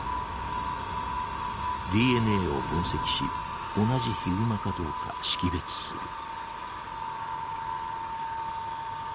ＤＮＡを分析し同じヒグマかどうか識別する。